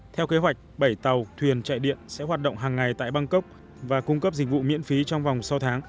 theo kế hoạch bảy tàu thuyền chạy điện sẽ hoạt động hàng ngày tại bangkok và cung cấp dịch vụ miễn phí trong vòng sáu tháng